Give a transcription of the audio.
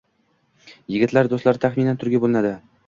Yigitlar do'stlari taxminan turga bo'linadi